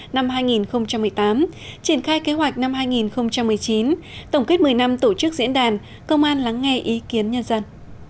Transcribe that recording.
năm hai nghìn một mươi tám triển khai kế hoạch năm hai nghìn một mươi chín tổng kết một mươi năm tổ chức diễn đàn công an lắng nghe ý kiến nhân dân